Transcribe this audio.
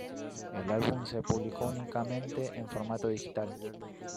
El álbum se publicó únicamente en formato digital.